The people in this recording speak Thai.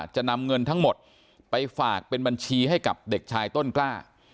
จะนำเงินทั้งหมดไปฝากเป็นบัญชีให้กับเด็กชายต้นกล้า